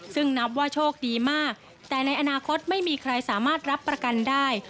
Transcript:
ซึ่งนับว่าโชคดีมากแต่ในอนาคตไม่มีใครสามารถรับประกันได้